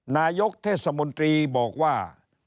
นายกเทศมนตรีบอกว่า